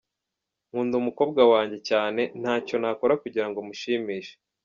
Nkunda umukobwa wanjye cyane, ntacyo ntakora kugira ngo mushimishe.